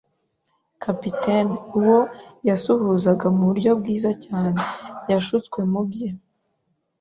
capitaine, uwo yasuhuzaga muburyo bwiza cyane. Yashutswe mu bye